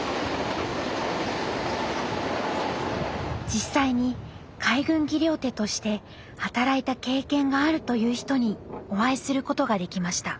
実際に海軍技療手として働いた経験があるという人にお会いすることができました。